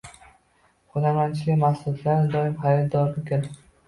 Hunarmandchilik mahsulotlari doim xaridorgir